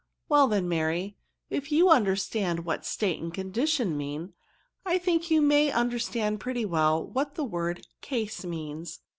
Well then, Mary, if you understand what state and condition mean, I think you may understand pretty well what the word case means."